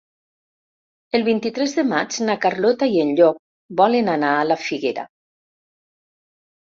El vint-i-tres de maig na Carlota i en Llop volen anar a la Figuera.